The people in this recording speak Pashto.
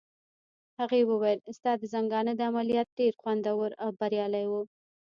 هغې وویل: ستا د زنګانه عملیات ډېر خوندور او بریالي وو.